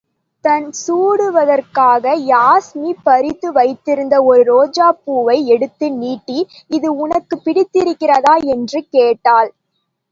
தான் சூடுவதற்காக யாஸ்மி பறித்து வைத்திருந்த ஒரு ரோஜாப்பூவை எடுத்து நீட்டி, இது உனக்குப் பிடித்திருக்கிறதா? என்று கேட்டாள்.